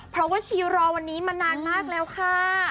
เพราะว่าชีรอวันนี้มานานมากแล้วค่ะ